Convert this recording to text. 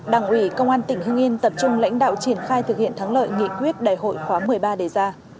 đảng ủy công an tỉnh hưng yên tập trung lãnh đạo triển khai thực hiện thắng lợi nghị quyết đại hội khóa một mươi ba đề ra